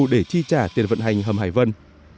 để chi trả tiền vận hành hầm hải vân